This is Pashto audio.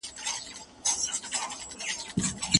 هغه بد ګذاره نه کوله.